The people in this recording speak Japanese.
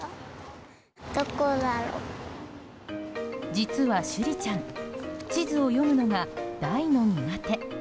実は、珠里ちゃん地図を読むのが大の苦手。